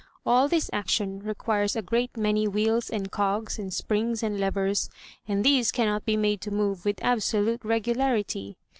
All this action requires a great many wheels and cogs and springs and levers, and these cannot be made to move with absolute regularity.